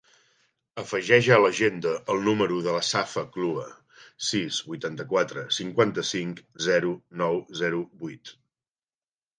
Afegeix a l'agenda el número de la Safa Clua: sis, vuitanta-quatre, cinquanta-cinc, zero, nou, zero, vuit.